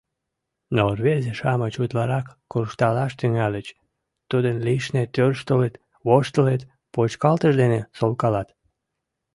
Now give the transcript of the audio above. Но рвезе-шамыч утларак куржталаш тӱҥальыч, тудын лишне тӧрштылыт, воштылыт, почкалтыш дене солкалат.